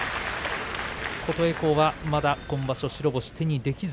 琴恵光はまだ今場所白星手にできず。